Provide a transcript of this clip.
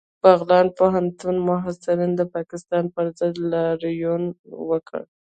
بغلان پوهنتون محصلینو د پاکستان پر ضد لاریون وکړ